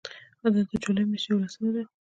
دا د جولای میاشتې یوولسمه ده.